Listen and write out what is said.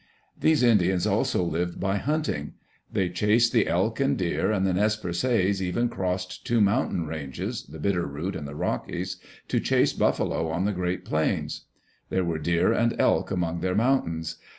These Indians also lived by hunting. They chased the elk and deer, and the Nez Perces even crossed two moun tain ranges — the Bitter Root and the Rockies — to chase buffalo on the Great Plains. There were deer and elk among their mountains.